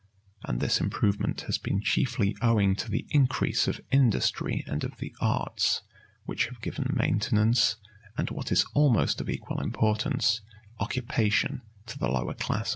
And this improvement has been chiefly owing to the increase of industry and of the arts, which have given maintenance, and what is almost of equal importance, occupation to the lower classes.